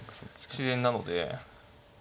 自然なので。